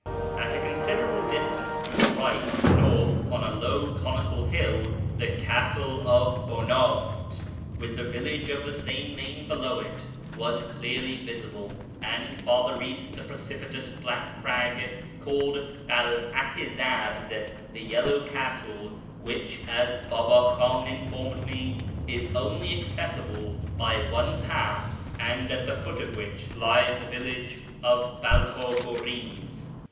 At a considerable distance to the right (north), on a low conical hill, the Castle of Bunaft, witli the village of the same name below it, was clearly visible ; and, farther east, the precipitous black crag called Kal'at i Zard (the Yellow Castle), which, as Baba Kh;in informed me, is only accessible by one path, and at the foot of which lies the village of Balkh u Gun'z.